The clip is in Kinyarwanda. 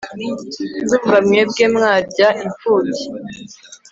ndumva mwebwe mwarya n'imfubyi